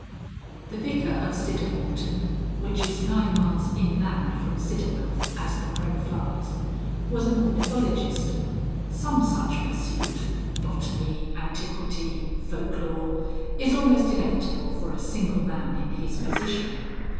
III. The Vicar of Siddermorton (which is nine miles inland from Siddermouth as the crow flies) was an ornithologist. Some such pursuit, botany, antiquity, folk lore, is almost inevitable for a single man in his position.